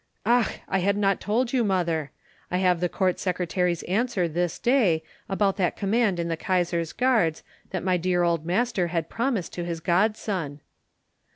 "Ach, I had not told you, mother! I have the Court Secretary's answer this day about that command in the Kaisar's guards that my dear old master had promised to his godson."